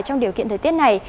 trong điều kiện thời tiết này